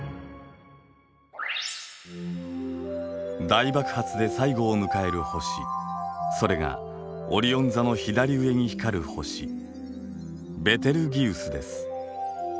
大爆発で最後を迎える星それがオリオン座の左上に光る星ベテルギウスです。